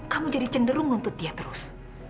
kamu jadi cenderung nuntut dia terus